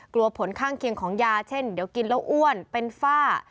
กลัวผลข้างเคียงของยาเช่นเดี๋ยวกินแล้วอ้วนเป็นฝ้า